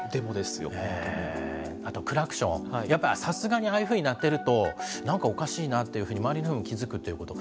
あとクラクション、やっぱりさすがにああいうふうに鳴ってると、なんかおかしいなというふうに周りでも気付くということ。